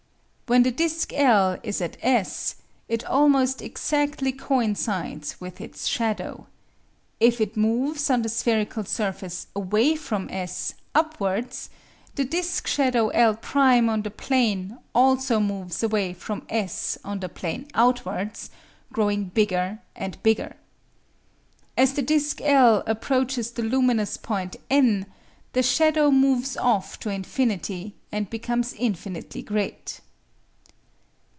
When the disc L is at S, it almost exactly coincides with its shadow. If it moves on the spherical surface away from S upwards, the disc shadow L' on the plane also moves away from S on the plane outwards, growing bigger and bigger. As the disc L approaches the luminous point N, the shadow moves off to infinity, and becomes infinitely great.